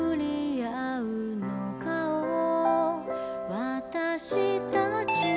「私たちは」